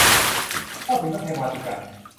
ก็ถึงกำแพงวาติกัน